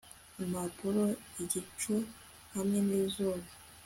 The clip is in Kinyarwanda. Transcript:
impapuro igicu hamwe nizuba